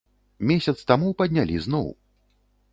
Месяц таму паднялі зноў!